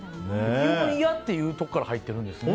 これも、嫌っていうところから入ってるんですね。